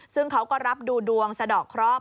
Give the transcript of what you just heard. ซึ่งเขาก็รับดูดวงสะดอกเคราะห